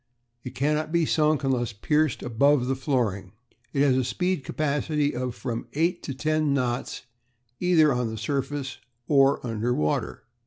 It cannot be sunk unless pierced above the flooring. It has a speed capacity of from eight to ten knots either on the surface or under water.